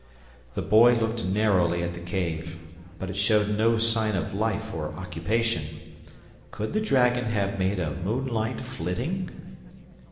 The Boy looked narrowly at the cave, but it showed no sign of life or occupation. Could the dragon have made a moon light flitting?